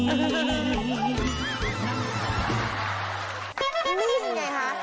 นี่ไงคะ